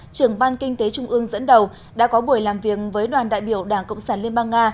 trưởng ban kinh tế trung ương dẫn đầu đã có buổi làm việc với đoàn đại biểu đảng cộng sản liên bang nga